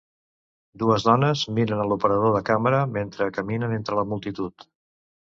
Dues dones miren a l'operador de càmera mentre caminen entre la multitud